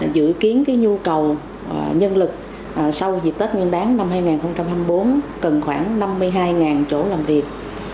dự kiến nhu cầu nhân lực sau dịp tết nguyên đáng năm hai nghìn hai mươi bốn cần khoảng năm mươi hai chỗ làm việc